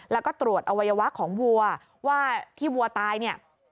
แล้วก็ตรวจอวัยวะของวัวว่าที่วัวตายเนี่ย